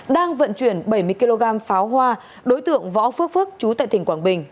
đang vận chuyển bảy mươi kg pháo hoa đối tượng võ phước phước chú tại tỉnh quảng bình